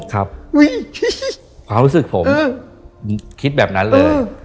ครับความรู้สึกผมคิดแบบนั้นเลย